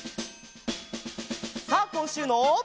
さあこんしゅうの。